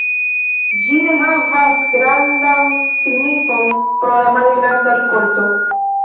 Ĝi ne havas grandan signifon pro la malgranda rikolto.